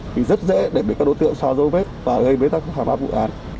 thì rất dễ để bị các đối tượng xóa dấu vết và gây bế tắc khám phá vụ án